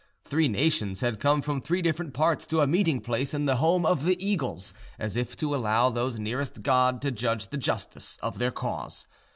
Three nations had come from three different parts to a meeting place in the home of the eagles, as if to allow those nearest God to judge the justice of their cause.